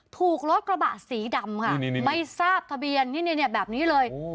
ถูกรถกระบะสีดำค่ะไม่ทราบทะเบียนนี่แบบนี้เลย